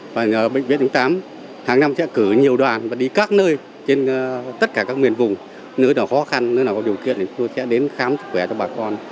và bệnh viện một trăm chín mươi tám hàng năm sẽ cử nhiều đoàn và đi các nơi trên tất cả các nguyên vùng nếu nào khó khăn nếu nào có điều kiện thì tôi sẽ đến khám sức khỏe cho bà con